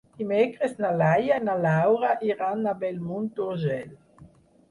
Dimecres na Laia i na Laura iran a Bellmunt d'Urgell.